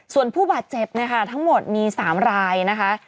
ส่วนผู้บาดเจ็บจะมี๓รายนะคะ